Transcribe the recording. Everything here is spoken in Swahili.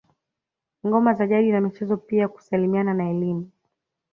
Ngoma za jadi na michezo pia kusalimiana na elimu